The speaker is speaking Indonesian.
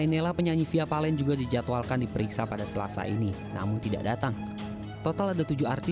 nela juga mengaku tidak pernah menggunakan produk kecantikan dsc beauty